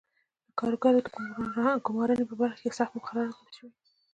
د کارګرو د ګومارنې په برخه کې سخت مقررات وضع شوي.